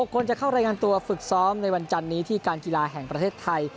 ๖คนจะเข้ารายงานตัวฝึกซ้อมในวันจันนี้ที่การกีฬาแห่งประเทศไทย